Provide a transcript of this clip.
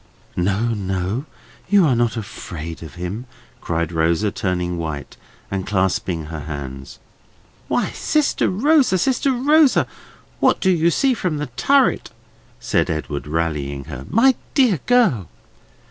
"No, no! you are not afraid of him!" cried Rosa, turning white, and clasping her hands. "Why, sister Rosa, sister Rosa, what do you see from the turret?" said Edwin, rallying her. "My dear girl!"